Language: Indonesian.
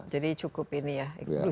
jadi cukup ini ya